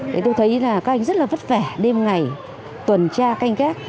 thế tôi thấy là các anh rất là vất vẻ đêm ngày tuần tra các anh khác